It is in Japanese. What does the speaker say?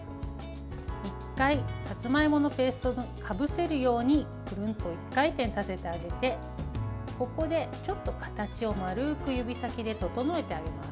１回、さつまいものペーストにかぶせるようにくるんと１回転させてあげてここでちょっと形を丸く指先で整えてあげます。